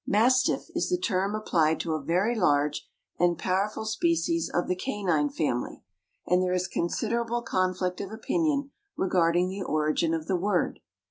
Mastiff is the term applied to a very large and powerful species of the canine family, and there is considerable conflict of opinion regarding the origin of the word.